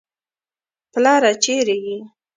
پلاره چېرې يې.